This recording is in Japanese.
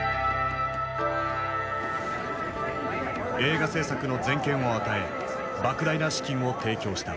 映画製作の全権を与え莫大な資金を提供した。